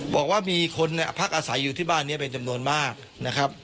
บอกว่ามีคนพักอาศัยอยู่ที่บ้านนี้เป็นจำนวนมากนะครับ